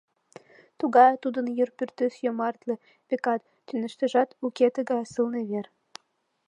Тугае тудын йыр пӱртӱс йомартле, Векат, тӱняштыжат уке тыгае сылне вер.